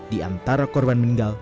di antara korban meninggal